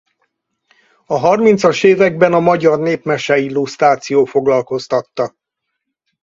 A harmincas években a magyar népmese-illusztráció foglalkoztatta.